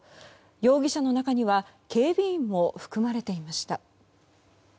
容疑者の中には警備員も含まれていました。